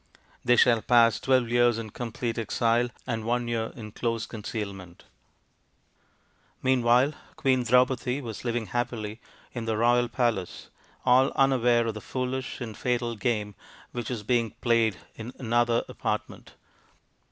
They shall pass twelve years in complete exile and one year in close concealment." Meanwhile, Queen Draupadi was living happily in the royal palace, all unaware of the foolish and fatal game which was being played in another 88 THE INDIAN STORY BOOK apartment.